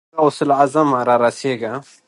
يا غوث الاعظمه! را رسېږه.